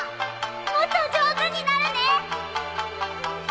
もっと上手になるね！